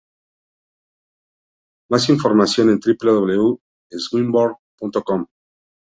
Más información en www.swinburn.com